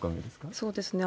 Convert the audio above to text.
そうですね。